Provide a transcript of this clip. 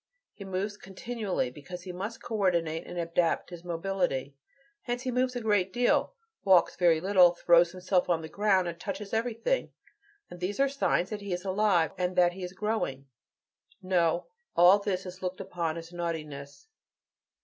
He moves continually, because he must coordinate and adapt his mobility. Hence he moves a great deal, walks very little, throws himself on the ground, and touches everything, and these are signs that he is alive, and that he is growing." No all this is looked upon as naughtiness.